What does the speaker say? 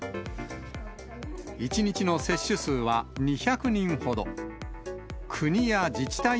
１日の接種数は２００人ほど。